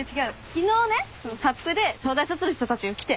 昨日ねサップで東大卒の人たちが来て。